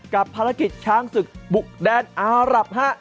กับภารกิจช้างศึกบุกแดนอารับฮะ